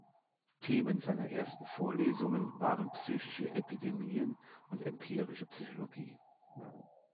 Themen seiner ersten Vorlesungen waren psychische Epidemien und empirische Psychologie.